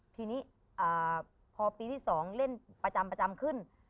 ทีนี้พอปีที่สองเล่นประจำขึ้น